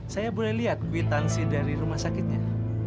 saya boleh lihat kwitansi dari rumah sakitnya